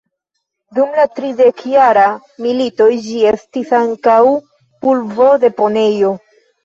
Dum la Tridekjara milito ĝi estis ankaŭ pulvodeponejo.